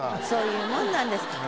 そういうもんなんです。